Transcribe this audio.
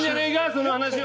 その話は。